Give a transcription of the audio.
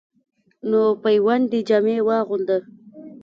نو پیوندي جامې واغوندۀ،